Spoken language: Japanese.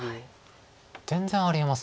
全然ありえます